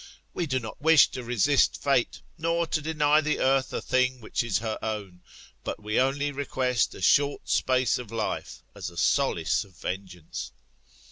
We do not wish to resist fate, nor to deny the earth a thing which is her own ; but we only request a short space of life, as a solace of vengeance.